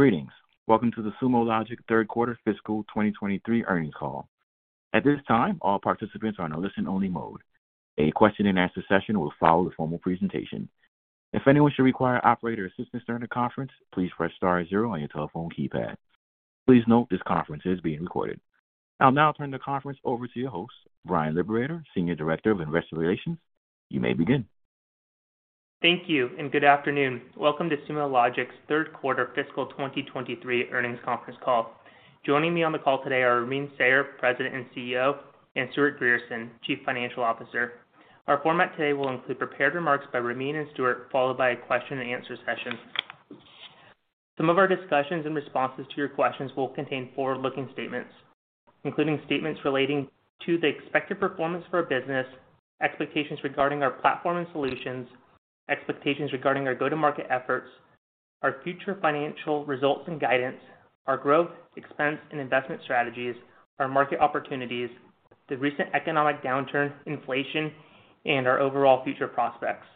Greetings. Welcome to the Sumo Logic Third Quarter Fiscal 2023 Earnings Call. At this time, all participants are on a listen-only mode. A question-and-answer session will follow the formal presentation. If anyone should require operator assistance during the conference, please press star zero on your telephone keypad. Please note this conference is being recorded. I'll now turn the conference over to your host, Bryan Liberator, Senior Director of Investor Relations. You may begin. Thank you. Good afternoon. Welcome to Sumo Logic's third quarter fiscal 2023 earnings conference call. Joining me on the call today are Ramin Sayar, President and CEO; and Stewart Grierson, Chief Financial Officer. Our format today will include prepared remarks by Ramin and Stewart, followed by a question-and-answer session. Some of our discussions in responses to your questions will contain forward-looking statements, including statements relating to the expected performance for our business, expectations regarding our platform and solutions, expectations regarding our go-to-market efforts, our future financial results and guidance, our growth, expense and investment strategies, our market opportunities, the recent economic downturn, inflation, and our overall future prospects.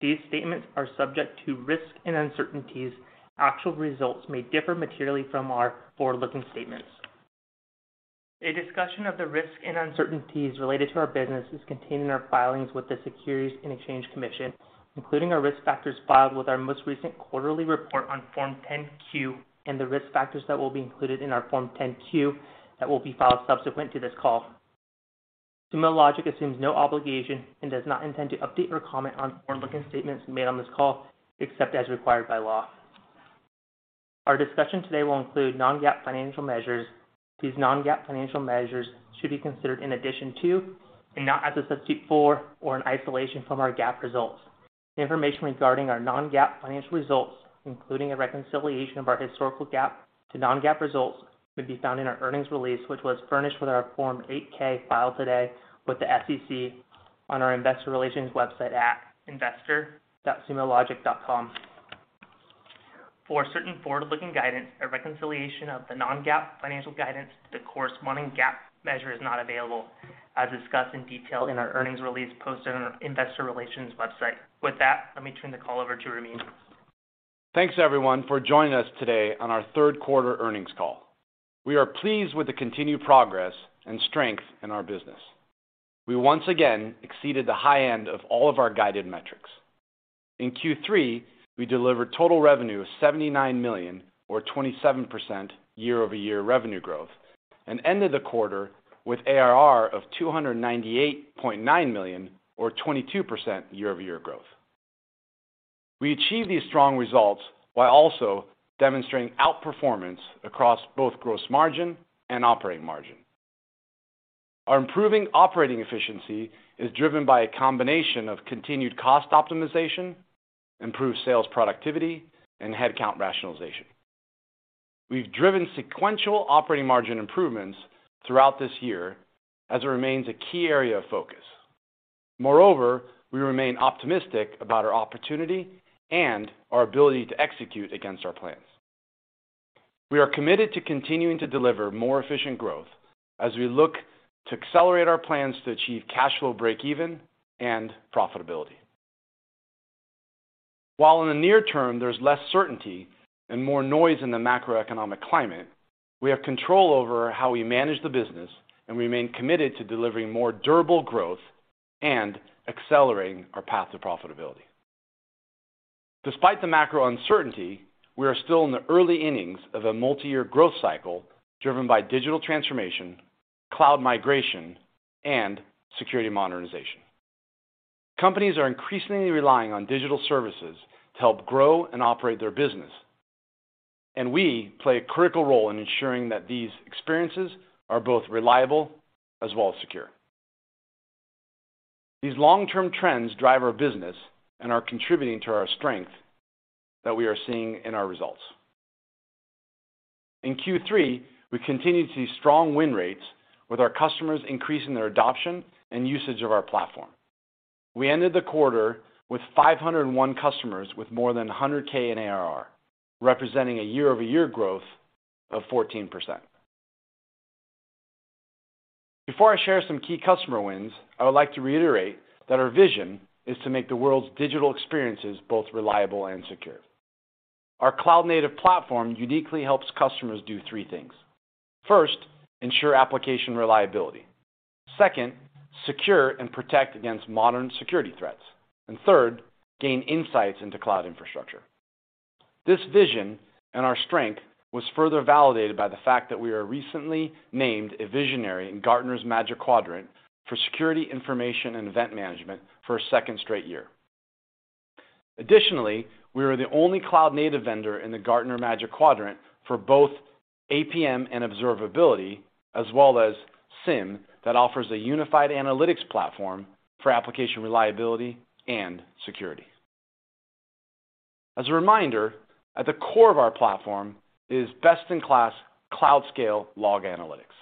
These statements are subject to risks and uncertainties. Actual results may differ materially from our forward-looking statements. A discussion of the risks and uncertainties related to our business is contained in our filings with the Securities and Exchange Commission, including our risk factors filed with our most recent quarterly report on Form 10-Q and the risk factors that will be included in our Form 10-Q that will be filed subsequent to this call. Sumo Logic assumes no obligation and does not intend to update or comment on forward-looking statements made on this call, except as required by law. Our discussion today will include non-GAAP financial measures. These non-GAAP financial measures should be considered in addition to and not as a substitute for or in isolation from our GAAP results. The information regarding our non-GAAP financial results, including a reconciliation of our historical GAAP to non-GAAP results, may be found in our earnings release, which was furnished with our Form 8-K filed today with the SEC on our Investor Relations website at investor.sumologic.com. For certain forward-looking guidance, a reconciliation of the non-GAAP financial guidance to the corresponding GAAP measure is not available, as discussed in detail in our earnings release posted on our Investor Relations website. With that, let me turn the call over to Ramin. Thanks, everyone for joining us today on our third quarter earnings call. We are pleased with the continued progress and strength in our business. We once again exceeded the high end of all of our guided metrics. In Q3, we delivered total revenue of $79 million or 27% year-over-year revenue growth and ended the quarter with ARR of $298.9 million or 22% year-over-year growth. We achieved these strong results while also demonstrating outperformance across both gross margin and operating margin. Our improving operating efficiency is driven by a combination of continued cost optimization, improved sales productivity, and headcount rationalization. We've driven sequential operating margin improvements throughout this year as it remains a key area of focus. Moreover, we remain optimistic about our opportunity and our ability to execute against our plans. We are committed to continuing to deliver more efficient growth as we look to accelerate our plans to achieve cash flow break even and profitability. While in the near term, there's less certainty and more noise in the macroeconomic climate, we have control over how we manage the business and remain committed to delivering more durable growth and accelerating our path to profitability. Despite the macro uncertainty, we are still in the early innings of a multi-year growth cycle driven by digital transformation, cloud migration, and security modernization. Companies are increasingly relying on digital services to help grow and operate their business. We play a critical role in ensuring that these experiences are both reliable as well as secure. These long-term trends drive our business and are contributing to our strength that we are seeing in our results. In Q3, we continued to see strong win rates with our customers increasing their adoption and usage of our platform. We ended the quarter with 501 customers with more than $100,000 in ARR, representing a year-over-year growth of 14%. Before I share some key customer wins, I would like to reiterate that our vision is to make the world's digital experiences both reliable and secure. Our cloud-native platform uniquely helps customers do three things. First, ensure application reliability. Second, secure and protect against modern security threats. And third, gain insights into cloud infrastructure. This vision and our strength was further validated by the fact that we are recently named a visionary in Gartner's Magic Quadrant for Security Information and Event Management for a second straight year. We are the only cloud-native vendor in the Gartner Magic Quadrant for both APM and Observability, as well as SIEM that offers a unified analytics platform for application reliability and security. As a reminder, at the core of our platform is best-in-class cloud-scale log analytics.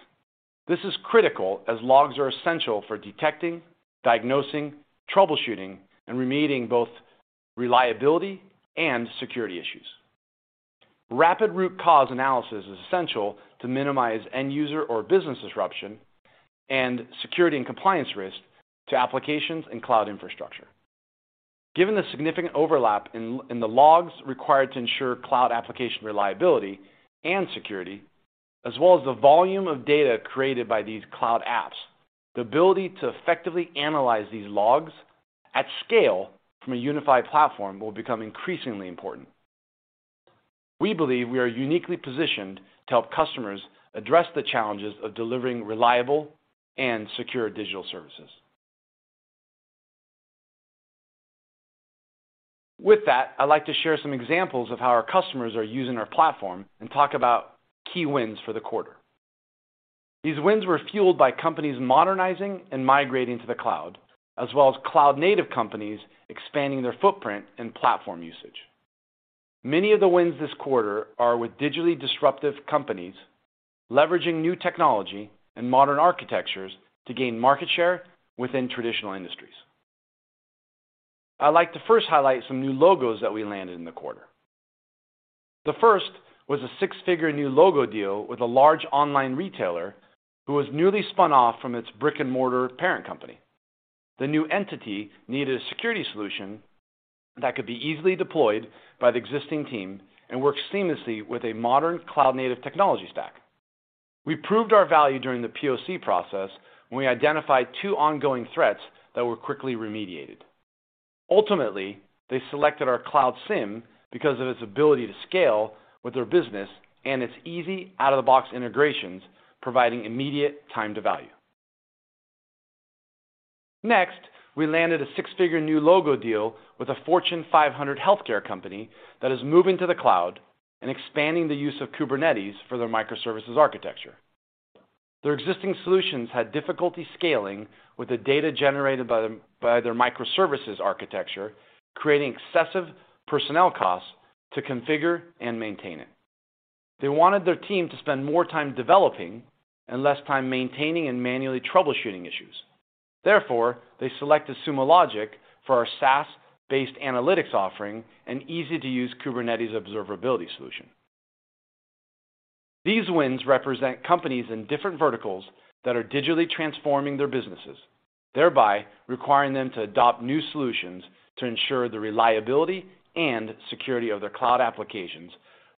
This is critical as logs are essential for detecting, diagnosing, troubleshooting, and remediating both reliability and security issues. Rapid root cause analysis is essential to minimize end user or business disruption and security and compliance risk to applications and cloud infrastructure. Given the significant overlap in the logs required to ensure cloud application reliability and security, as well as the volume of data created by these cloud apps, the ability to effectively analyze these logs at scale from a unified platform will become increasingly important. We believe we are uniquely positioned to help customers address the challenges of delivering reliable and secure digital services. With that, I'd like to share some examples of how our customers are using our platform and talk about key wins for the quarter. These wins were fueled by companies modernizing and migrating to the cloud, as well as cloud-native companies expanding their footprint and platform usage. Many of the wins this quarter are with digitally disruptive companies leveraging new technology and modern architectures to gain market share within traditional industries. I'd like to first highlight some new logos that we landed in the quarter. The first was a six-figure new logo deal with a large online retailer who was newly spun off from its brick-and-mortar parent company. The new entity needed a security solution that could be easily deployed by the existing team and work seamlessly with a modern cloud-native technology stack. We proved our value during the POC process when we identified two ongoing threats that were quickly remediated. Ultimately, they selected our Cloud SIEM because of its ability to scale with their business and its easy out-of-the-box integrations providing immediate time to value. We landed a six-figure new logo deal with a Fortune 500 healthcare company that is moving to the cloud and expanding the use of Kubernetes for their microservices architecture. Their existing solutions had difficulty scaling with the data generated by their microservices architecture, creating excessive personnel costs to configure and maintain it. They wanted their team to spend more time developing and less time maintaining and manually troubleshooting issues. They selected Sumo Logic for our SaaS-based analytics offering and easy-to-use Kubernetes observability solution. These wins represent companies in different verticals that are digitally transforming their businesses, thereby requiring them to adopt new solutions to ensure the reliability and security of their cloud applications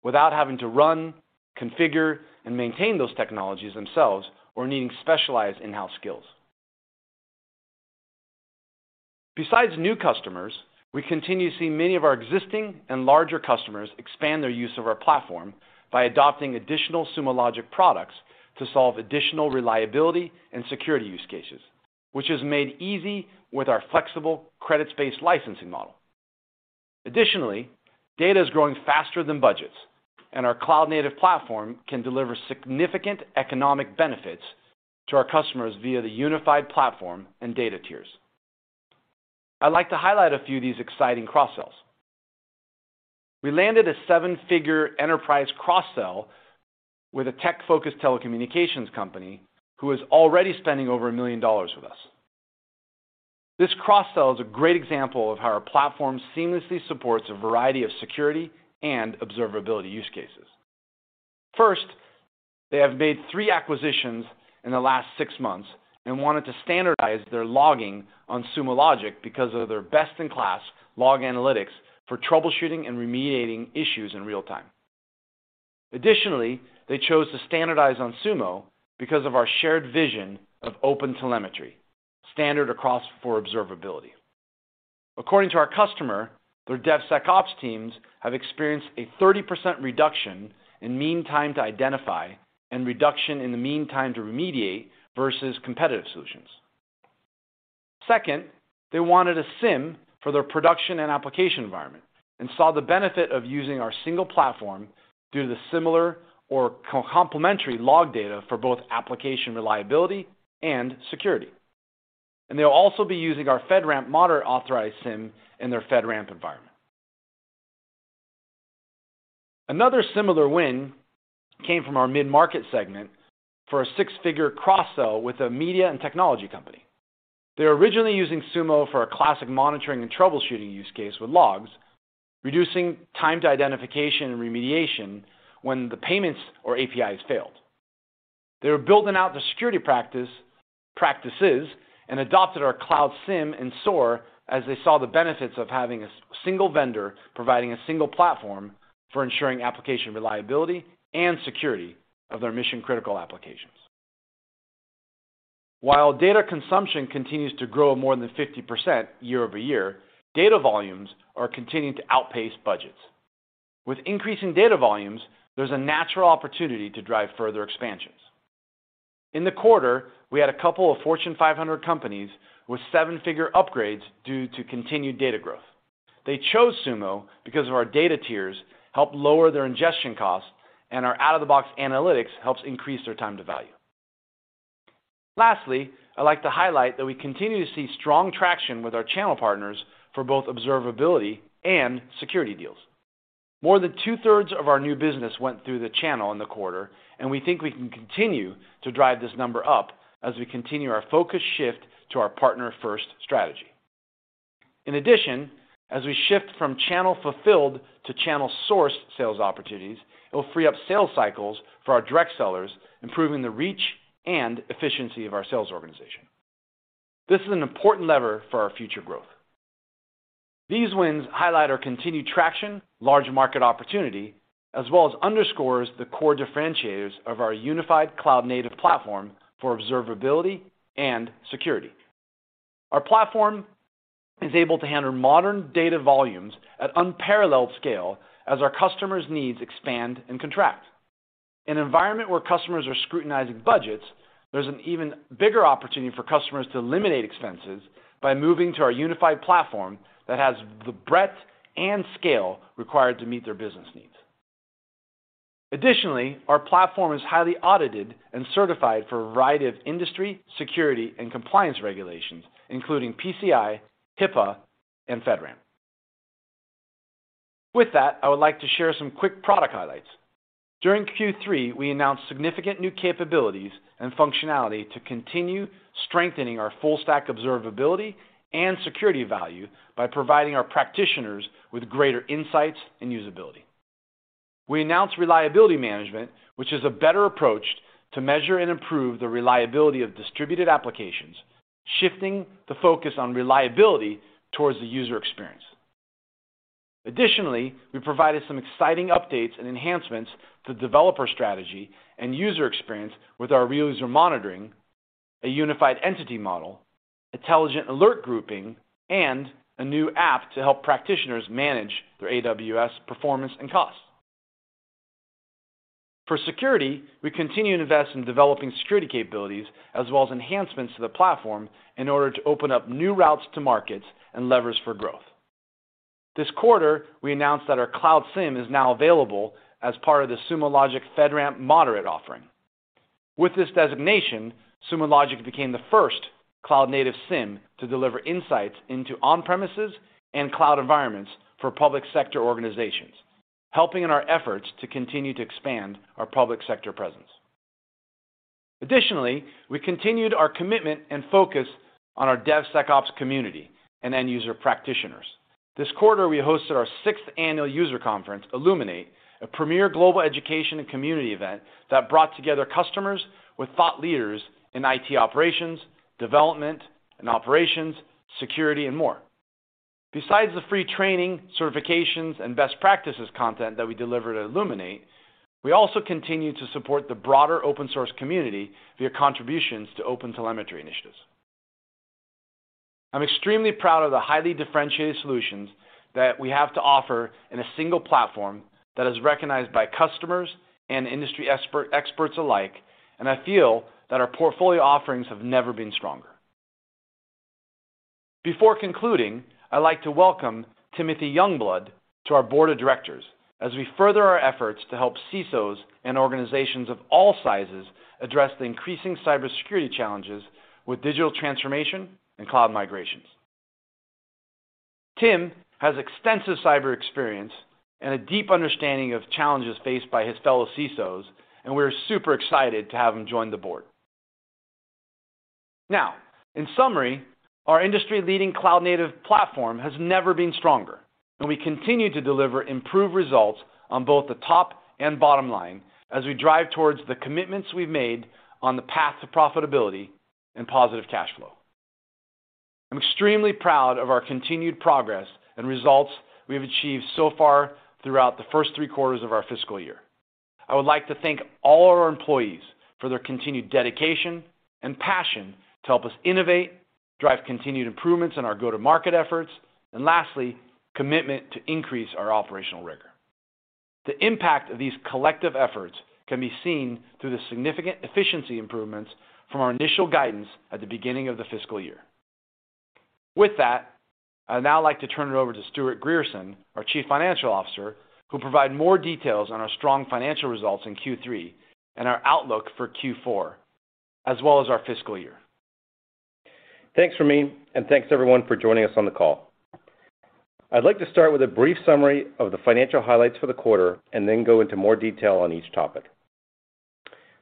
without having to run, configure, and maintain those technologies themselves or needing specialized in-house skills. Besides new customers, we continue to see many of our existing and larger customers expand their use of our platform by adopting additional Sumo Logic products to solve additional reliability and security use cases, which is made easy with our flexible credits-based licensing model. Additionally, data is growing faster than budgets, and our cloud-native platform can deliver significant economic benefits to our customers via the unified platform and data tiers. I'd like to highlight a few of these exciting cross-sells. We landed a seven-figure enterprise cross-sell with a tech-focused telecommunications company who is already spending over $1 million with us. This cross-sell is a great example of how our platform seamlessly supports a variety of security and observability use cases. First, they have made three acquisitions in the last six months and wanted to standardize their logging on Sumo Logic because of their best-in-class log analytics for troubleshooting and remediating issues in real time. Additionally, they chose to standardize on Sumo because of our shared vision of OpenTelemetry, standard across for observability. According to our customer, their DevSecOps teams have experienced a 30% reduction in mean time to identify and reduction in the mean time to remediate versus competitive solutions. Second, they wanted a SIEM for their production and application environment and saw the benefit of using our single platform due to the similar or co-complementary log data for both application reliability and security. They'll also be using our FedRAMP Moderate authorized SIEM in their FedRAMP environment. Another similar win came from our mid-market segment for a six-figure cross-sell with a media and technology company. They were originally using Sumo for a classic monitoring and troubleshooting use case with logs, reducing time to identification and remediation when the payments or APIs failed. They were building out their security practices and adopted our Cloud SIEM and SOAR as they saw the benefits of having a single vendor providing a single platform for ensuring application reliability and security of their mission-critical applications. Data consumption continues to grow more than 50% year-over-year, data volumes are continuing to outpace budgets. With increasing data volumes, there's a natural opportunity to drive further expansions. In the quarter, we had a couple of Fortune 500 companies with seven-figure upgrades due to continued data growth. They chose Sumo because of our data tiers help lower their ingestion costs, and our out-of-the-box analytics helps increase their time to value. Lastly, I'd like to highlight that we continue to see strong traction with our channel partners for both observability and security deals. More than 2/3 of our new business went through the channel in the quarter, and we think we can continue to drive this number up as we continue our focused shift to our partner-first strategy. In addition, as we shift from channel-fulfilled to channel-sourced sales opportunities, it will free up sales cycles for our direct sellers, improving the reach and efficiency of our sales organization. This is an important lever for our future growth. These wins highlight our continued traction, large market opportunity, as well as underscores the core differentiators of our unified cloud-native platform for observability and security. Our platform is able to handle modern data volumes at unparalleled scale as our customers' needs expand and contract. In an environment where customers are scrutinizing budgets, there's an even bigger opportunity for customers to eliminate expenses by moving to our unified platform that has the breadth and scale required to meet their business needs. Additionally, our platform is highly audited and certified for a variety of industry, security, and compliance regulations, including PCI, HIPAA, and FedRAMP. I would like to share some quick product highlights. During Q3, we announced significant new capabilities and functionality to continue strengthening our full-stack observability and security value by providing our practitioners with greater insights and usability. We announced Reliability Management, which is a better approach to measure and improve the reliability of distributed applications, shifting the focus on reliability towards the user experience. We provided some exciting updates and enhancements to developer strategy and user experience with our Real User Monitoring, a unified entity model, intelligent alert grouping, and a new app to help practitioners manage their AWS performance and costs. For security, we continue to invest in developing security capabilities as well as enhancements to the platform in order to open up new routes to markets and levers for growth. This quarter, we announced that our Cloud SIEM is now available as part of the Sumo Logic FedRAMP Moderate offering. With this designation, Sumo Logic became the first cloud-native SIEM to deliver insights into on-premises and cloud environments for public sector organizations, helping in our efforts to continue to expand our public sector presence. We continued our commitment and focus on our DevSecOps community and end user practitioners. This quarter, we hosted our sixth annual user conference, Illuminate, a premier global education and community event that brought together customers with thought leaders in IT operations, development and operations, security, and more. Besides the free training, certifications, and best practices content that we deliver to Illuminate, we also continue to support the broader open source community via contributions to OpenTelemetry initiatives. I'm extremely proud of the highly differentiated solutions that we have to offer in a single platform that is recognized by customers and industry experts alike. I feel that our portfolio offerings have never been stronger. Before concluding, I'd like to welcome Timothy Youngblood to our board of directors as we further our efforts to help CISOs and organizations of all sizes address the increasing cybersecurity challenges with digital transformation and cloud migrations. Tim has extensive cyber experience and a deep understanding of challenges faced by his fellow CISOs. We're super excited to have him join the board. In summary, our industry-leading cloud-native platform has never been stronger. We continue to deliver improved results on both the top and bottom line as we drive towards the commitments we've made on the path to profitability and positive cash flow. I'm extremely proud of our continued progress and results we have achieved so far throughout the first three quarters of our fiscal year. I would like to thank all our employees for their continued dedication and passion to help us innovate, drive continued improvements in our go-to-market efforts, lastly, commitment to increase our operational rigor. The impact of these collective efforts can be seen through the significant efficiency improvements from our initial guidance at the beginning of the fiscal year. With that, I'd now like to turn it over to Stewart Grierson, our chief financial officer, who'll provide more details on our strong financial results in Q3 and our outlook for Q4, as well as our fiscal year. Thanks, Ramin. Thanks everyone for joining us on the call. I'd like to start with a brief summary of the financial highlights for the quarter and then go into more detail on each topic.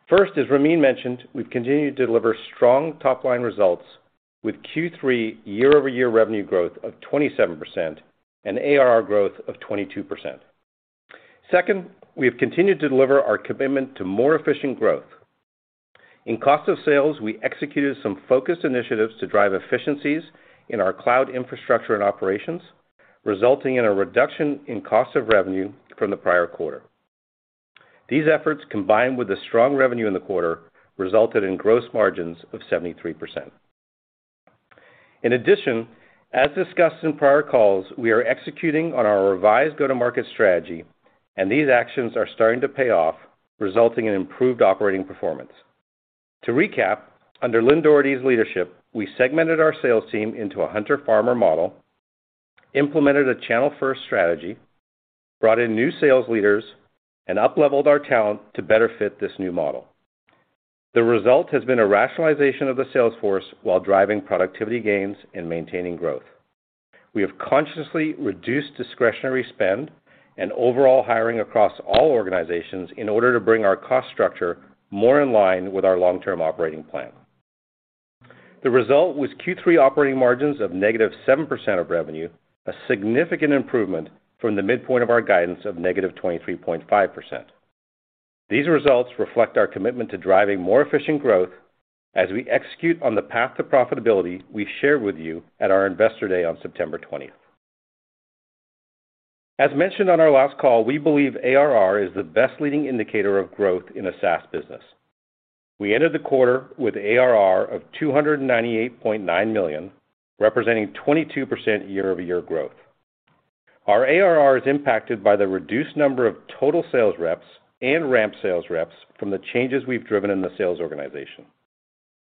First, as Ramin mentioned, we've continued to deliver strong top-line results with Q3 year-over-year revenue growth of 27% and ARR growth of 22%. Second, we have continued to deliver our commitment to more efficient growth. In cost of sales, we executed some focused initiatives to drive efficiencies in our cloud infrastructure and operations, resulting in a reduction in cost of revenue from the prior quarter. These efforts, combined with the strong revenue in the quarter, resulted in gross margins of 73%. In addition, as discussed in prior calls, we are executing on our revised go-to-market strategy, and these actions are starting to pay off, resulting in improved operating performance. To recap, under Lynne Doherty's leadership, we segmented our sales team into a hunter-farmer model, implemented a channel-first strategy, brought in new sales leaders, and upleveled our talent to better fit this new model. The result has been a rationalization of the sales force while driving productivity gains and maintaining growth. We have consciously reduced discretionary spend and overall hiring across all organizations in order to bring our cost structure more in line with our long-term operating plan. The result was Q3 operating margins of -7% of revenue, a significant improvement from the midpoint of our guidance of -23.5%. These results reflect our commitment to driving more efficient growth as we execute on the path to profitability we shared with you at our Investor Day on September 20th. As mentioned on our last call, we believe ARR is the best leading indicator of growth in a SaaS business. We ended the quarter with ARR of $298.9 million, representing 22% year-over-year growth. Our ARR is impacted by the reduced number of total sales reps and ramp sales reps from the changes we've driven in the sales organization.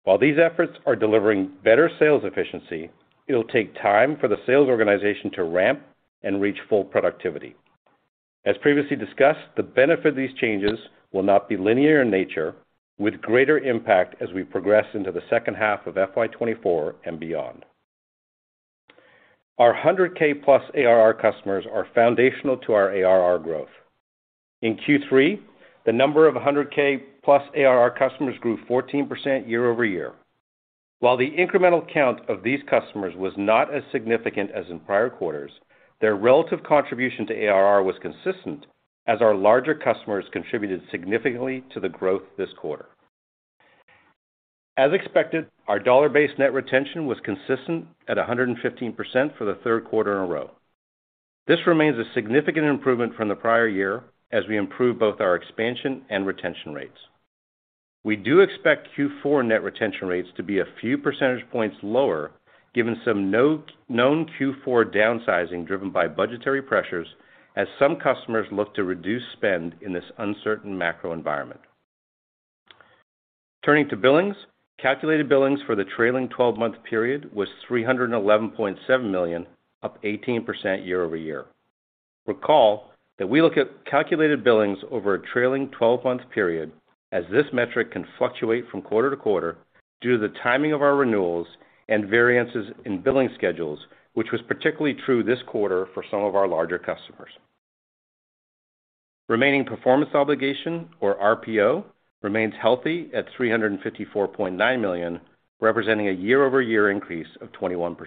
While these efforts are delivering better sales efficiency, it'll take time for the sales organization to ramp and reach full productivity. As previously discussed, the benefit of these changes will not be linear in nature, with greater impact as we progress into the second half of FY 2024 and beyond. Our 100,000 ARR customers are foundational to our ARR growth. In Q3, the number of 100,000+ ARR customers grew 14% year-over-year. While the incremental count of these customers was not as significant as in prior quarters, their relative contribution to ARR was consistent as our larger customers contributed significantly to the growth this quarter. As expected, our dollar-based net retention was consistent at 115% for the third quarter in a row. This remains a significant improvement from the prior year as we improve both our expansion and retention rates. We do expect Q four net retention rates to be a few percentage points lower given some known Q4 downsizing driven by budgetary pressures as some customers look to reduce spend in this uncertain macro environment. Turning to billings. Calculated billings for the trailing 12-month period was $311.7 million, up 18% year-over-year. Recall that we look at calculated billings over a trailing twelve-month period as this metric can fluctuate from quarter to quarter due to the timing of our renewals and variances in billing schedules, which was particularly true this quarter for some of our larger customers. Remaining performance obligation, or RPO, remains healthy at $354.9 million, representing a year-over-year increase of 21%.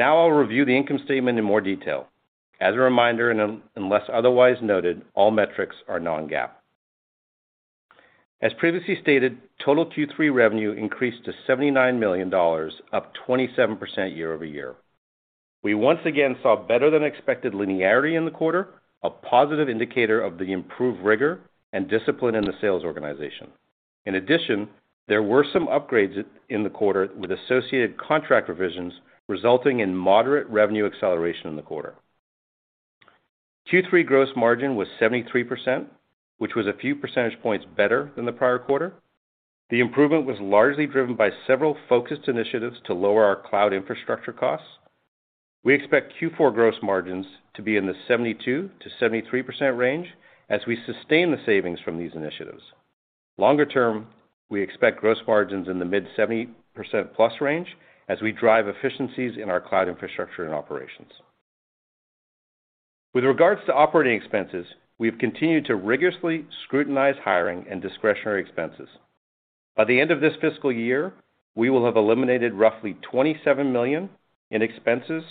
I'll review the income statement in more detail. As a reminder, unless otherwise noted, all metrics are non-GAAP. As previously stated, total Q3 revenue increased to $79 million, up 27% year-over-year. We once again saw better than expected linearity in the quarter, a positive indicator of the improved rigor and discipline in the sales organization. There were some upgrades in the quarter with associated contract revisions resulting in moderate revenue acceleration in the quarter. Q3 gross margin was 73%, which was a few percentage points better than the prior quarter. The improvement was largely driven by several focused initiatives to lower our cloud infrastructure costs. We expect Q4 gross margins to be in the 72%-73% range as we sustain the savings from these initiatives. Longer term, we expect gross margins in the mid-70%+ range as we drive efficiencies in our cloud infrastructure and operations. With regards to operating expenses, we have continued to rigorously scrutinize hiring and discretionary expenses. By the end of this fiscal year, we will have eliminated roughly $27 million in expenses,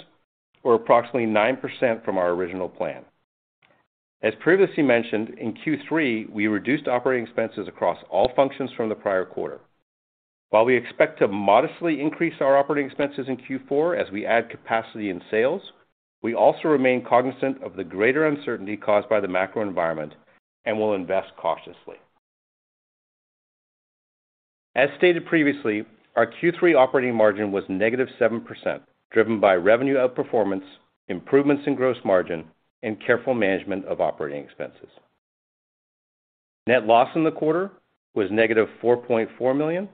or approximately 9% from our original plan. As previously mentioned, in Q3, we reduced operating expenses across all functions from the prior quarter. While we expect to modestly increase our operating expenses in Q4 as we add capacity in sales, we also remain cognizant of the greater uncertainty caused by the macro environment and will invest cautiously. As stated previously, our Q3 operating margin was -7%, driven by revenue outperformance, improvements in gross margin, and careful management of operating expenses. Net loss in the quarter was $-4.4 million,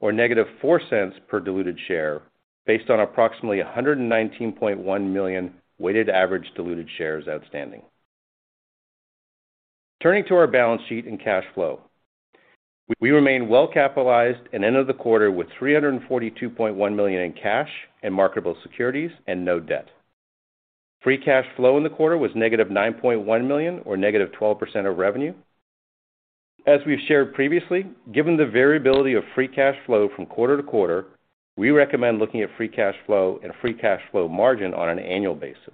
or $-0.04 per diluted share, based on approximately 119.1 million weighted average diluted shares outstanding. Turning to our balance sheet and cash flow. We remain well capitalized and ended the quarter with $342.1 million in cash and marketable securities and no debt. Free cash flow in the quarter was $-9.1 million or -12% of revenue. As we've shared previously, given the variability of free cash flow from quarter to quarter, we recommend looking at free cash flow and free cash flow margin on an annual basis.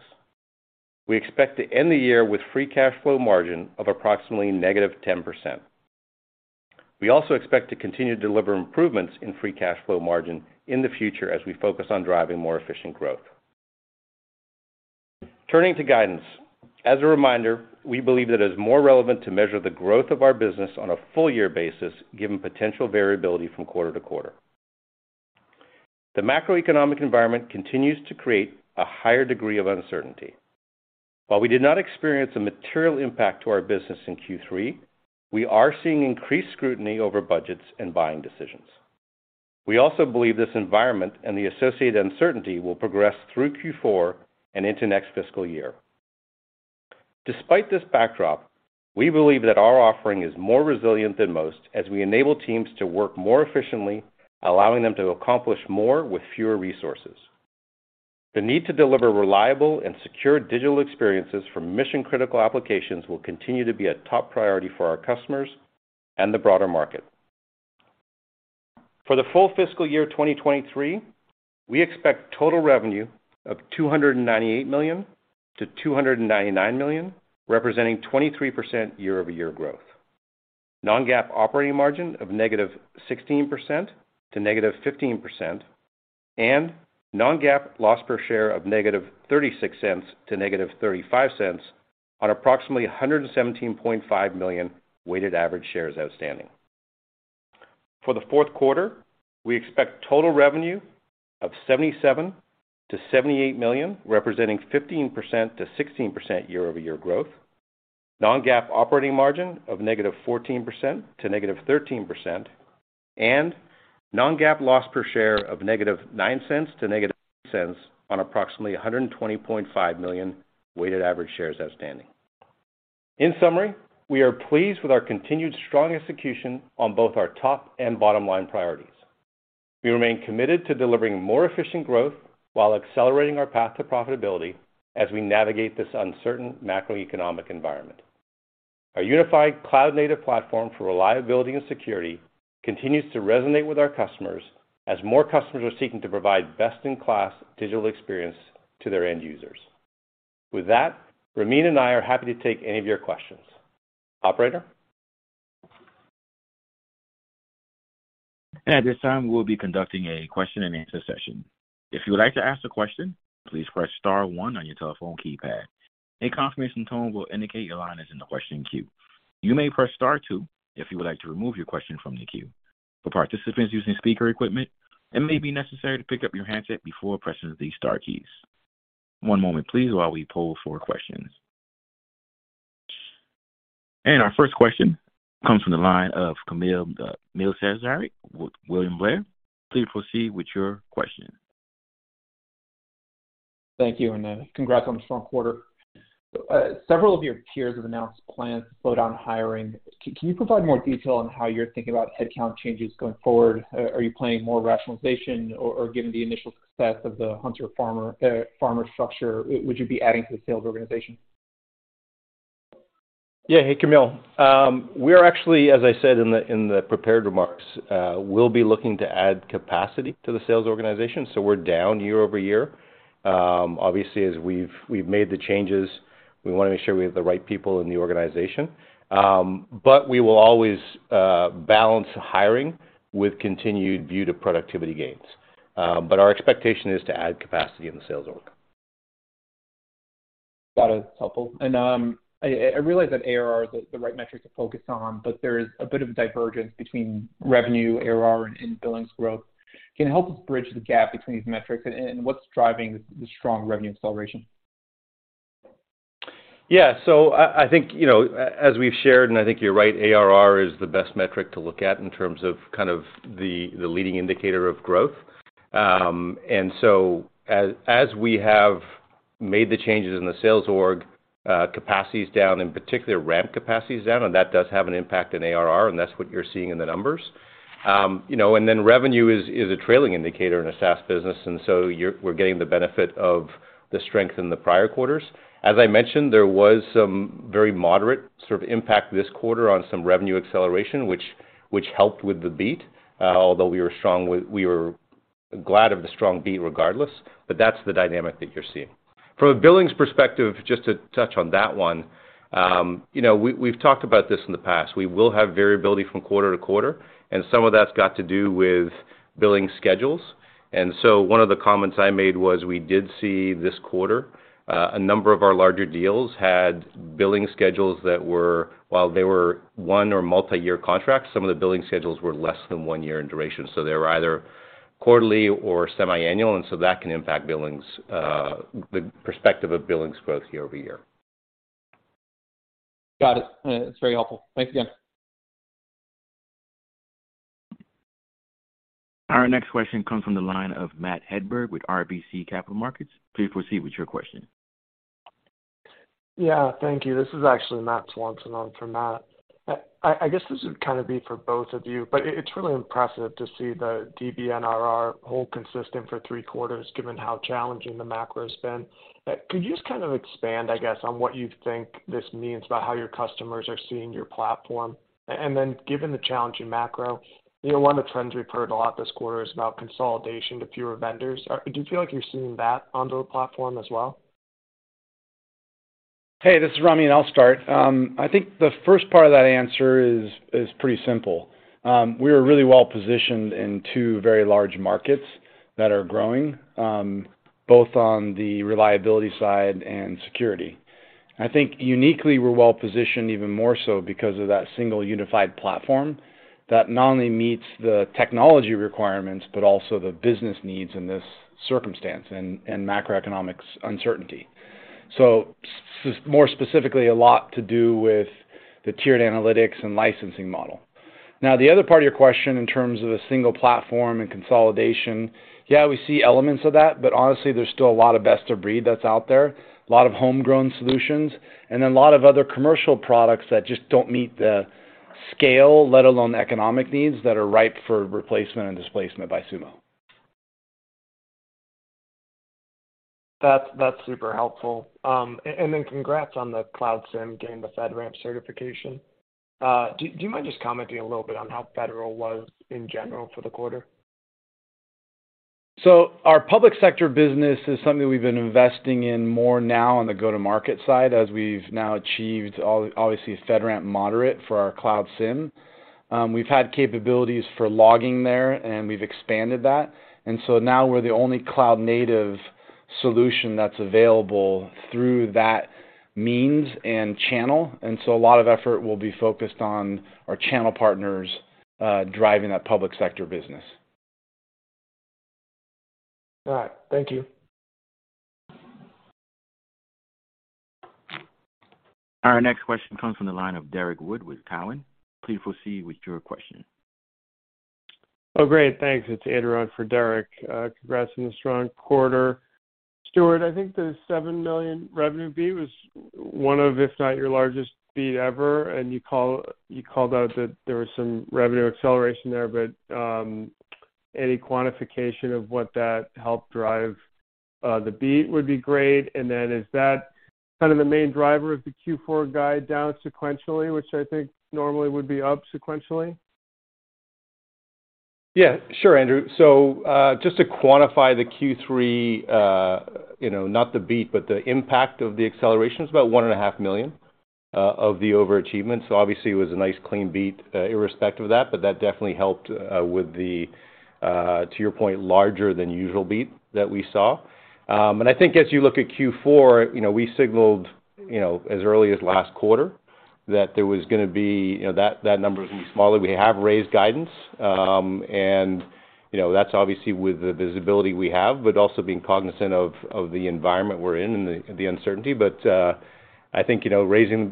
We expect to end the year with free cash flow margin of approximately -10%. We also expect to continue to deliver improvements in free cash flow margin in the future as we focus on driving more efficient growth. Turning to guidance. As a reminder, we believe that it is more relevant to measure the growth of our business on a full year basis, given potential variability from quarter to quarter. The macroeconomic environment continues to create a higher degree of uncertainty. While we did not experience a material impact to our business in Q3, we are seeing increased scrutiny over budgets and buying decisions. We also believe this environment and the associated uncertainty will progress through Q4 and into next fiscal year. Despite this backdrop, we believe that our offering is more resilient than most as we enable teams to work more efficiently, allowing them to accomplish more with fewer resources. The need to deliver reliable and secure digital experiences for mission-critical applications will continue to be a top priority for our customers and the broader market. For the full fiscal year 2023, we expect total revenue of $298 million-$299 million, representing 23% year-over-year growth. Non-GAAP operating margin of -16% to -15%, and non-GAAP loss per share of $-0.36 to $-0.35 on approximately 117.5 million weighted average shares outstanding. For the fourth quarter, we expect total revenue of $77 million-$78 million, representing 15%-16% year-over-year growth. Non-GAAP operating margin of -14% to -13%, and non-GAAP loss per share of $-0.09 to $-0.08 on approximately 120.5 million weighted average shares outstanding. In summary, we are pleased with our continued strong execution on both our top and bottom line priorities. We remain committed to delivering more efficient growth while accelerating our path to profitability as we navigate this uncertain macroeconomic environment. Our unified cloud-native platform for reliability and security continues to resonate with our customers as more customers are seeking to provide best in class digital experience to their end users. With that, Ramin and I are happy to take any of your questions. Operator? At this time, we'll be conducting a question and answer session. If you would like to ask a question, please press star one on your telephone keypad. A confirmation tone will indicate your line is in the question queue. You may press star two if you would like to remove your question from the queue. For participants using speaker equipment, it may be necessary to pick up your handset before pressing the star keys. One moment please while we poll for questions. Our first question comes from the line of Kamil Mielczarek with William Blair. Please proceed with your question. Thank you, and congrats on the strong quarter. Several of your peers have announced plans to slow down hiring. Can you provide more detail on how you're thinking about headcount changes going forward? Are you planning more rationalization or given the initial success of the hunter-farmer, farmer structure, would you be adding to the sales organization? Yeah. Hey, Kamil. We are actually, as I said in the prepared remarks, we'll be looking to add capacity to the sales organization. We're down year-over-year. Obviously, as we've made the changes, we wanna make sure we have the right people in the organization. We will always balance hiring with continued view to productivity gains. Our expectation is to add capacity in the sales org. Got it. It's helpful. I realize that ARR is the right metric to focus on, but there's a bit of a divergence between revenue, ARR and billings growth. Can you help us bridge the gap between these metrics and what's driving the strong revenue acceleration? I think, you know, as we've shared, and I think you're right, ARR is the best metric to look at in terms of kind of the leading indicator of growth. As we have made the changes in the sales org, capacity is down, in particular, ramp capacity is down, and that does have an impact in ARR, and that's what you're seeing in the numbers. You know, revenue is a trailing indicator in a SaaS business, we're getting the benefit of the strength in the prior quarters. As I mentioned, there was some very moderate sort of impact this quarter on some revenue acceleration, which helped with the beat, although we were glad of the strong beat regardless. That's the dynamic that you're seeing. From a billings perspective, just to touch on that one, you know, we've talked about this in the past. We will have variability from quarter to quarter, and some of that's got to do with billing schedules. One of the comments I made was we did see this quarter, a number of our larger deals had billing schedules that were, while they were one or multi-year contracts, some of the billing schedules were less than one year in duration, so they were either quarterly or semi-annual, and so that can impact billings, the perspective of billings growth year-over-year. Got it. It's very helpful. Thanks again. Our next question comes from the line of Matt Hedberg with RBC Capital Markets. Please proceed with your question. Yeah. Thank you. This is actually Matt Swanson on for Matt. I guess this would kind of be for both of you, but it's really impressive to see the DBNRR hold consistent for three quarters given how challenging the macro's been. Could you just kind of expand, I guess, on what you think this means about how your customers are seeing your platform? Given the challenging macro, you know, one of the trends we've heard a lot this quarter is about consolidation to fewer vendors. Do you feel like you're seeing that onto the platform as well? Hey, this is Ramin. I'll start. I think the first part of that answer is pretty simple. We're really well-positioned in two very large markets that are growing, both on the reliability side and security. I think uniquely we're well-positioned even more so because of that single unified platform that not only meets the technology requirements, but also the business needs in this circumstance and macroeconomics uncertainty. More specifically, a lot to do with the tiered analytics and licensing model. Now, the other part of your question in terms of a single platform and consolidation, yeah, we see elements of that, but honestly, there's still a lot of best of breed that's out there, a lot of homegrown solutions, and then a lot of other commercial products that just don't meet the scale, let alone the economic needs that are ripe for replacement and displacement by Sumo. That's super helpful. Congrats on the Cloud SIEM gaining the FedRAMP certification. Do you mind just commenting a little bit on how federal was in general for the quarter? Our public sector business is something we've been investing in more now on the go-to-market side as we've now achieved obviously FedRAMP Moderate for our Cloud SIEM. We've had capabilities for logging there, and we've expanded that. Now we're the only cloud-native solution that's available through that means and channel. A lot of effort will be focused on our channel partners driving that public sector business. All right. Thank you. Our next question comes from the line of Derrick Wood with Cowen. Please proceed with your question. Great. Thanks. It's Andrew on for Derrick. Congrats on the strong quarter. Stewart, I think the $7 million revenue beat was one of, if not your largest beat ever, and you called out that there was some revenue acceleration there, but any quantification of what that helped drive the beat would be great. Is that kind of the main driver of the Q4 guide down sequentially, which I think normally would be up sequentially? Yeah, sure, Andrew. Just to quantify the Q3, you know, not the beat, but the impact of the acceleration is about $1.5 million of the overachievement. Obviously it was a nice clean beat, irrespective of that, but that definitely helped with the, to your point, larger than usual beat that we saw. I think as you look at Q4, you know, we signaled, you know, as early as last quarter that there was gonna be, you know, that number is gonna be smaller. We have raised guidance, you know, that's obviously with the visibility we have, but also being cognizant of the environment we're in and the uncertainty. I think, you know,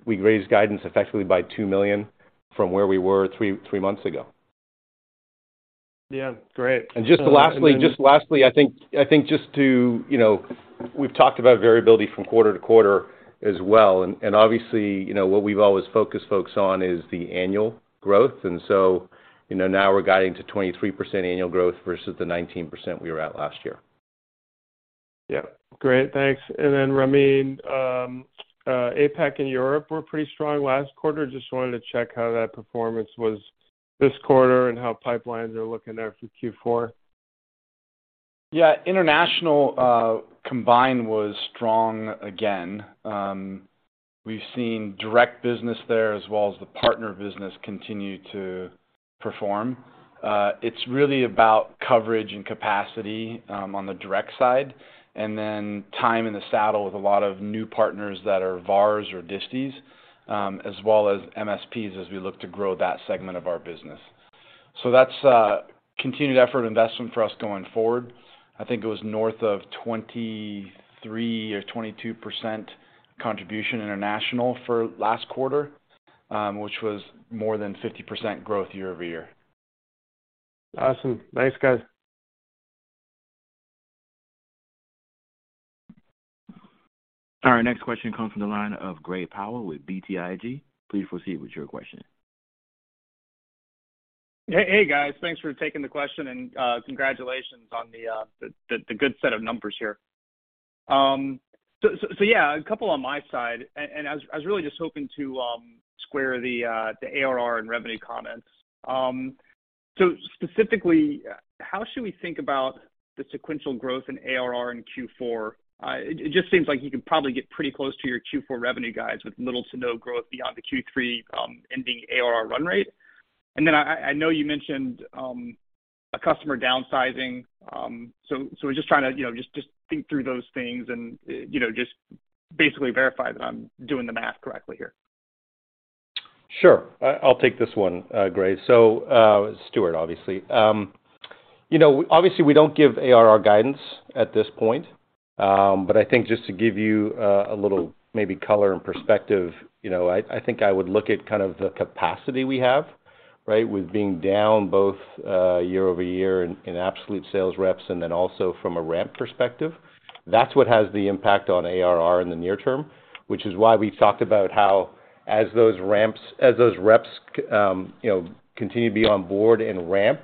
we raised guidance effectively by $2 million from where we were three months ago. Yeah. Great. Just lastly, I think just to, you know, we've talked about variability from quarter to quarter as well, and obviously, you know, what we've always focused folks on is the annual growth. You know, now we're guiding to 23% annual growth versus the 19% we were at last year. Yeah. Great. Thanks. Ramin, APAC and Europe were pretty strong last quarter. Just wanted to check how that performance was this quarter and how pipelines are looking there for Q4. Yeah. International, combined was strong again. We've seen direct business there as well as the partner business continue to perform. It's really about coverage and capacity on the direct side, and then time in the saddle with a lot of new partners that are VARs or disties, as well as MSPs, as we look to grow that segment of our business. That's a continued effort investment for us going forward. I think it was north of 23% or 22% contribution international for last quarter, which was more than 50% growth year-over-year. Awesome. Thanks, guys. Our next question comes from the line of Gray Powell with BTIG. Please proceed with your question. Hey, guys. Thanks for taking the question and congratulations on the good set of numbers here. So yeah, a couple on my side, and I was really just hoping to square the ARR and revenue comments. Specifically, how should we think about the sequential growth in ARR in Q4? It just seems like you can probably get pretty close to your Q4 revenue guides with little to no growth beyond the Q3 ending ARR run rate. Then I know you mentioned a customer downsizing. So we're just trying to, you know, just think through those things and, you know, just basically verify that I'm doing the math correctly here. Sure. I'll take this one, Gray. Stewart, obviously. you know, obviously we don't give ARR guidance at this point. I think just to give you a little maybe color and perspective, you know, I think I would look at kind of the capacity we have, right? With being down both year over year in absolute sales reps and then also from a ramp perspective. That's what has the impact on ARR in the near term, which is why we've talked about how as those reps, you know, continue to be on board and ramp,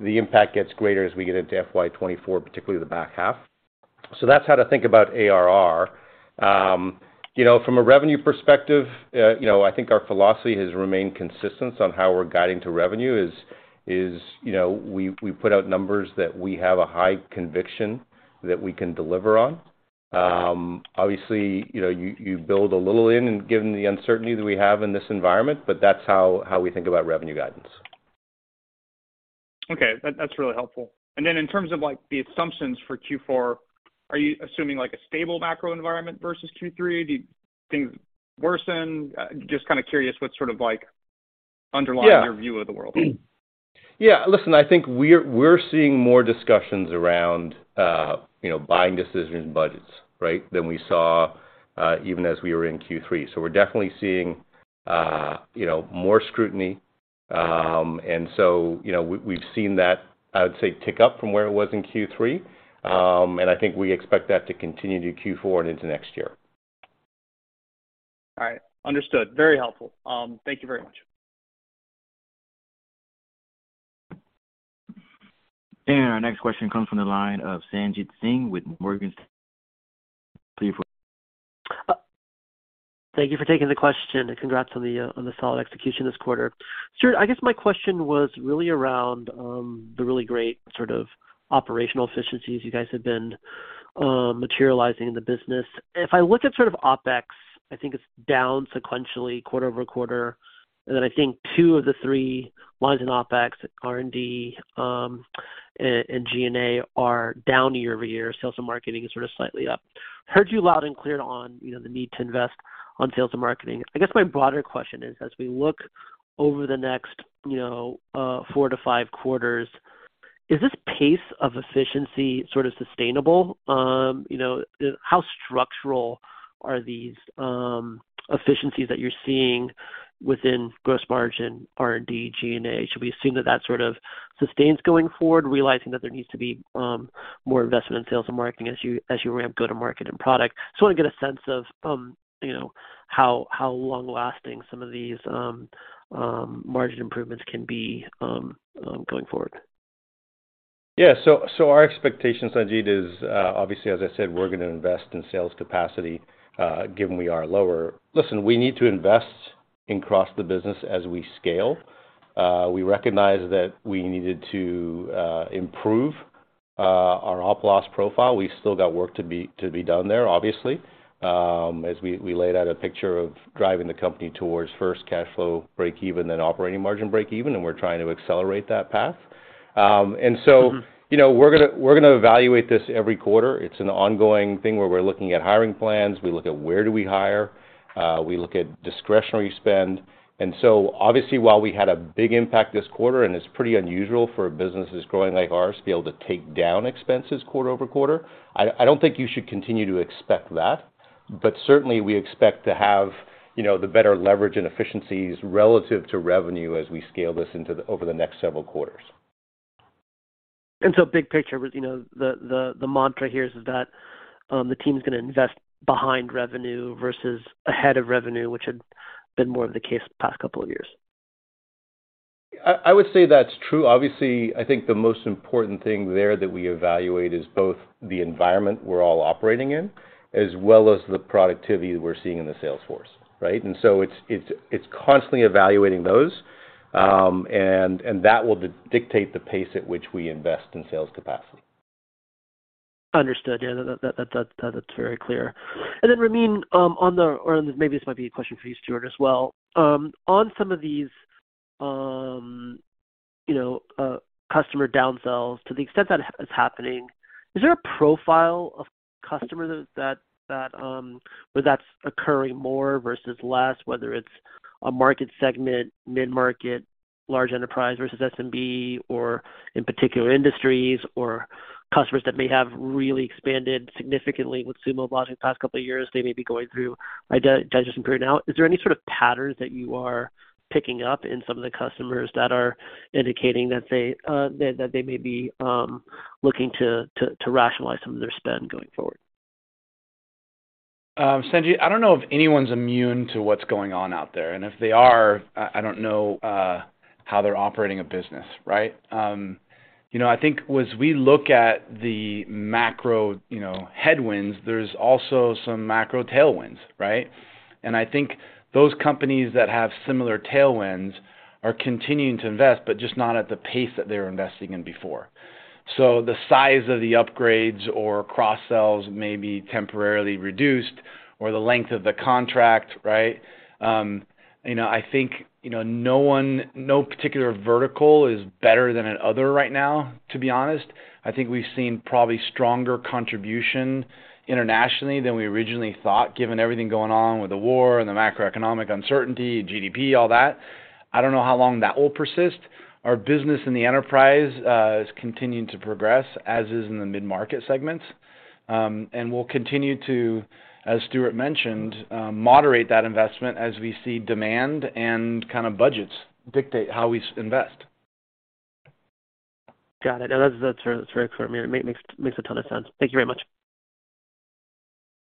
the impact gets greater as we get into FY 2024, particularly the back half. That's how to think about ARR. You know, from a revenue perspective, you know, I think our philosophy has remained consistent on how we're guiding to revenue is, you know, we put out numbers that we have a high conviction that we can deliver on. Obviously, you know, you build a little in and given the uncertainty that we have in this environment, that's how we think about revenue guidance. Okay. That's really helpful. Then in terms of like the assumptions for Q4, are you assuming like a stable macro environment versus Q3? Do you think worsen? Just kinda curious what sort of like underlying. Yeah. Your view of the world. Yeah. Listen, I think we're seeing more discussions around, you know, buying decisions and budgets, right? Than we saw, even as we were in Q3. We're definitely seeing, you know, more scrutiny. You know, we've seen that, I would say, tick up from where it was in Q3. I think we expect that to continue to Q4 and into next year. All right. Understood. Very helpful. Thank you very much. Our next question comes from the line of Sanjit Singh with Morgan Stanley. Please go ahead. Thank you for taking the question, and congrats on the solid execution this quarter. Stewart, I guess my question was really around the really great sort of operational efficiencies you guys have been materializing in the business. If I look at sort of OpEx, I think it's down sequentially quarter-over-quarter. Then I think two of the three lines in OpEx, R&D, and G&A are down year-over-year. Sales and marketing is sort of slightly up. Heard you loud and clear on, you know, the need to invest on sales and marketing. I guess my broader question is, as we look over the next, you know, four to five quarters, is this pace of efficiency sort of sustainable? You know, how structural are these efficiencies that you're seeing within gross margin, R&D, G&A? Should we assume that that sort of sustains going forward, realizing that there needs to be more investment in sales and marketing as you ramp go-to-market and product? Just wanna get a sense of, you know, how long-lasting some of these margin improvements can be going forward. Yeah. Our expectation, Sanjit, is, obviously, as I said, we're gonna invest in sales capacity, given we are lower. Listen, we need to invest across the business as we scale. We recognize that we needed to improve our op loss profile. We still got work to be done there, obviously, as we laid out a picture of driving the company towards first cash flow breakeven, then operating margin breakeven, and we're trying to accelerate that path. Mm-hmm. You know, we're gonna evaluate this every quarter. It's an ongoing thing where we're looking at hiring plans. We look at where do we hire. We look at discretionary spend. Obviously while we had a big impact this quarter, and it's pretty unusual for businesses growing like ours to be able to take down expenses quarter-over-quarter, I don't think you should continue to expect that. Certainly we expect to have, you know, the better leverage and efficiencies relative to revenue as we scale this over the next several quarters. Big picture was, you know, the, the mantra here is that the team's gonna invest behind revenue versus ahead of revenue, which had been more of the case the past couple of years. I would say that's true. Obviously, I think the most important thing there that we evaluate is both the environment we're all operating in, as well as the productivity we're seeing in the sales force, right? It's constantly evaluating those, and that will dictate the pace at which we invest in sales capacity. Understood. Yeah. That's very clear. Ramin, on the, or maybe this might be a question for you, Stewart, as well. On some of these, you know, customer downsells, to the extent that is happening, is there a profile of customer that where that's occurring more versus less, whether it's a market segment, mid-market, large enterprise versus SMB or in particular industries or customers that may have really expanded significantly with Sumo over the past couple of years, they may be going through a digestion period now. Is there any sort of patterns that you are picking up in some of the customers that are indicating that they that they may be looking to rationalize some of their spend going forward? Sanjit, I don't know if anyone's immune to what's going on out there. If they are, I don't know how they're operating a business, right? You know, I think as we look at the macro, you know, headwinds, there's also some macro tailwinds, right? I think those companies that have similar tailwinds are continuing to invest but just not at the pace that they were investing in before. The size of the upgrades or cross-sells may be temporarily reduced or the length of the contract, right? You know, I think, you know, no particular vertical is better than another right now, to be honest. I think we've seen probably stronger contribution internationally than we originally thought, given everything going on with the war and the macroeconomic uncertainty, GDP, all that. I don't know how long that will persist. Our business in the enterprise is continuing to progress as is in the mid-market segments. We'll continue to, as Stewart mentioned, moderate that investment as we see demand and kind of budgets dictate how we invest. Got it. That's very clear. It makes a ton of sense. Thank you very much.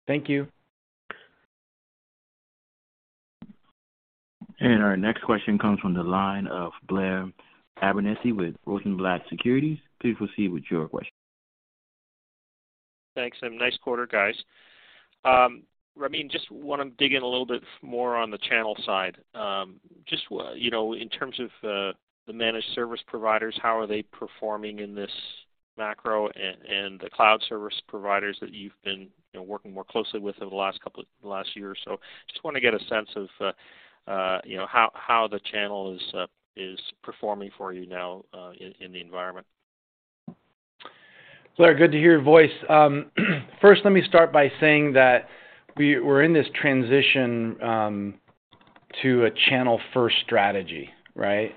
Thank you. Our next question comes from the line of Blair Abernethy with Rosenblatt Securities. Please proceed with your question. Thanks, and nice quarter, guys. Ramin, just wanna dig in a little bit more on the channel side. just you know, in terms of the managed service providers, how are they performing in this macro and the cloud service providers that you've been, you know, working more closely with over the last year or so. Just wanna get a sense of, you know, how the channel is performing for you now, in the environment. Blair, good to hear your voice. First, let me start by saying that we're in this transition to a channel-first strategy, right?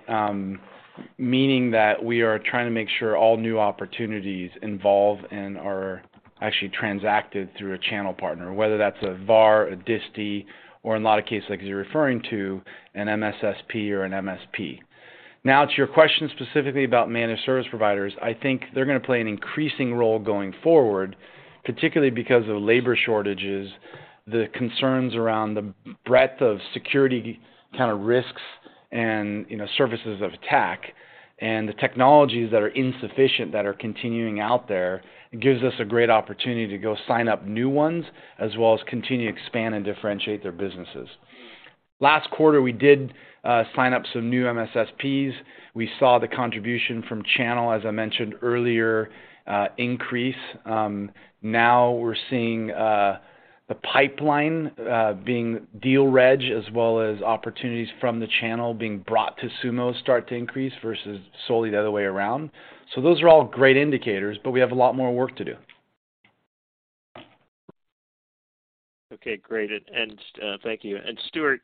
Meaning that we are trying to make sure all new opportunities involve and are actually transacted through a channel partner, whether that's a VAR, a distie, or in a lot of cases like you're referring to, an MSSP or an MSP. Now, to your question specifically about managed service providers, I think they're gonna play an increasing role going forward, particularly because of labor shortages, the concerns around the breadth of security kinda risks. You know, surfaces of attack, and the technologies that are insufficient that are continuing out there, it gives us a great opportunity to go sign up new ones as well as continue to expand and differentiate their businesses. Last quarter, we did sign up some new MSSPs. We saw the contribution from channel, as I mentioned earlier, increase. Now we're seeing the pipeline being deal registration, as well as opportunities from the channel being brought to Sumo start to increase versus solely the other way around. Those are all great indicators, but we have a lot more work to do. Okay, great. Thank you. Stewart,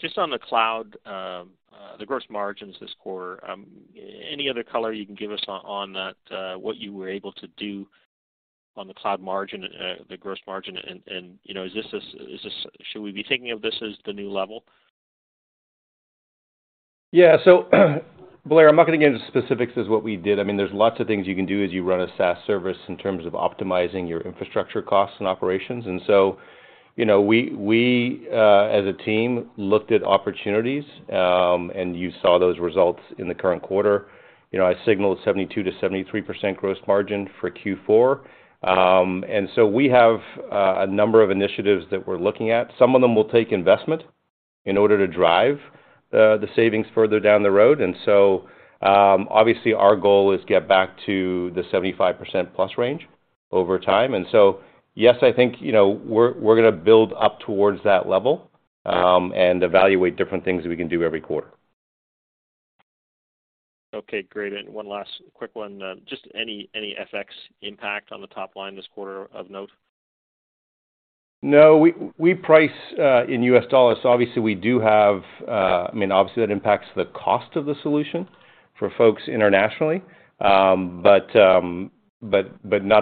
just on the cloud, the gross margins this quarter, any other color you can give us on that, what you were able to do on the cloud margin, the gross margin? You know, is this should we be thinking of this as the new level? Yeah. Blair, I'm not gonna get into specifics as what we did. I mean, there's lots of things you can do as you run a SaaS service in terms of optimizing your infrastructure costs and operations. You know, we as a team, looked at opportunities, and you saw those results in the current quarter. You know, I signaled 72%-73% gross margin for Q4. We have a number of initiatives that we're looking at. Some of them will take investment in order to drive the savings further down the road. Obviously our goal is get back to the 75%+ range over time. Yes, I think, you know, we're gonna build up towards that level and evaluate different things that we can do every quarter. Okay, great. One last quick one. Just any FX impact on the top line this quarter of note? No. We price in U.S. dollars. I mean, obviously, it impacts the cost of the solution for folks internationally. Not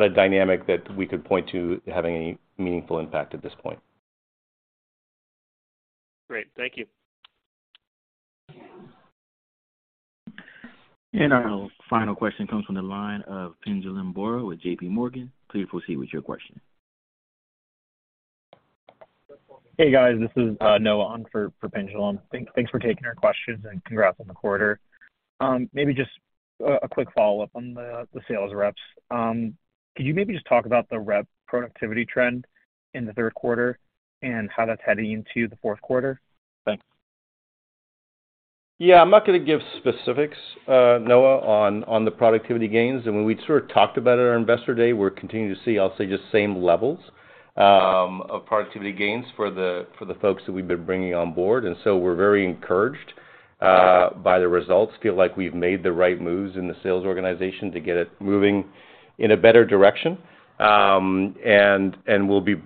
a dynamic that we could point to having any meaningful impact at this point. Great. Thank you. Our final question comes from the line of Pinjalim Bora with JPMorgan. Please proceed with your question. Hey, guys. This is Noah on for Pinjalim. Thanks for taking our questions, and congrats on the quarter. Maybe just a quick follow-up on the sales reps. Could you maybe just talk about the rep productivity trend in the third quarter and how that's heading into the fourth quarter? Thanks. Yeah. I'm not gonna give specifics, Noah, on the productivity gains. I mean, we've sort of talked about it at our Investor Day, we're continuing to see, I'll say, just same levels of productivity gains for the folks that we've been bringing on board. We're very encouraged by the results. Feel like we've made the right moves in the sales organization to get it moving in a better direction. And we'll be,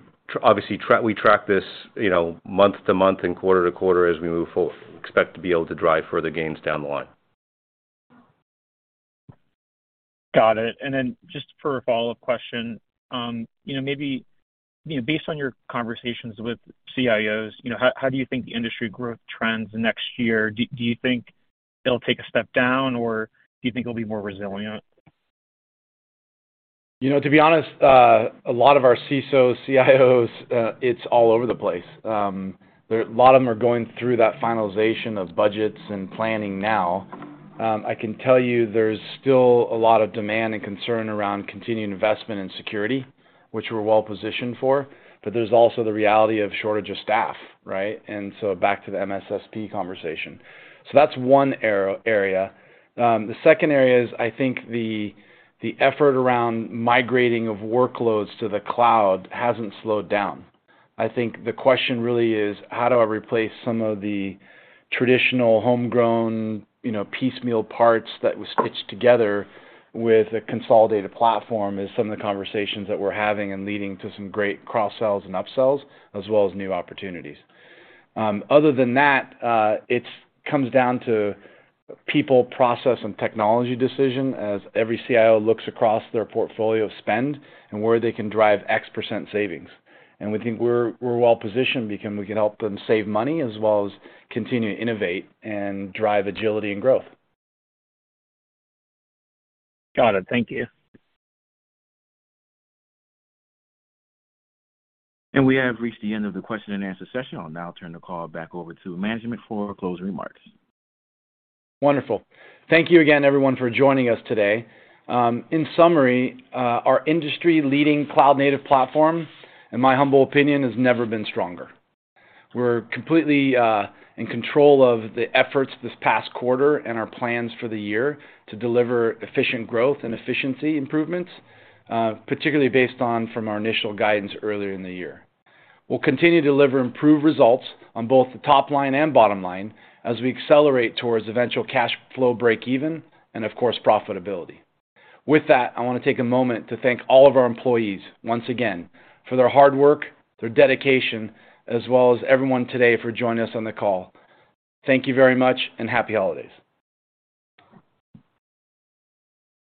obviously, we track this, you know, month-to-month and quarter-to-quarter as we move forward. Expect to be able to drive further gains down the line. Got it. Just for a follow-up question. You know, maybe, you know, based on your conversations with CIOs, you know, how do you think the industry growth trends next year? Do you think it'll take a step down, or do you think it'll be more resilient? You know, to be honest, a lot of our CISOs, CIOs, it's all over the place. A lot of them are going through that finalization of budgets and planning now. I can tell you there's still a lot of demand and concern around continuing investment in security, which we're well-positioned for, but there's also the reality of shortage of staff, right? Back to the MSSP conversation. That's one area. The second area is I think the effort around migrating of workloads to the cloud hasn't slowed down. I think the question really is how do I replace some of the traditional homegrown, you know, piecemeal parts that were stitched together with a consolidated platform is some of the conversations that we're having and leading to some great cross-sells and up-sells, as well as new opportunities. Other than that, it comes down to people, process, and technology decision as every CIO looks across their portfolio spend and where they can drive X% savings. We think we're well-positioned because we can help them save money as well as continue to innovate and drive agility and growth. Got it. Thank you. We have reached the end of the question and answer session. I'll now turn the call back over to management for closing remarks. Wonderful. Thank you again, everyone, for joining us today. In summary, our industry-leading cloud-native platform, in my humble opinion, has never been stronger. We're completely in control of the efforts this past quarter and our plans for the year to deliver efficient growth and efficiency improvements, particularly based on from our initial guidance earlier in the year. We'll continue to deliver improved results on both the top line and bottom line as we accelerate towards eventual cash flow break even and of course, profitability. With that, I wanna take a moment to thank all of our employees once again for their hard work, their dedication, as well as everyone today for joining us on the call. Thank you very much and happy holidays.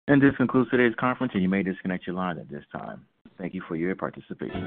This concludes today's conference, and you may disconnect your line at this time. Thank you for your participation.